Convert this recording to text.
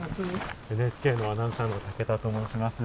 ＮＨＫのアナウンサーの武田と申します。